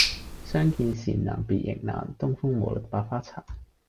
相見時難別亦難，東風無力百花殘。